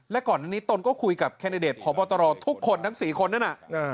และก่อนอันนี้ตนก็คุยกับแคนดิเดตพบตรทุกคนทั้ง๔คนนั่นน่ะ